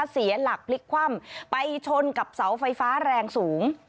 เสียหลักพลิกคว่ำไปชนกับเสาไฟฟ้าแรงสูง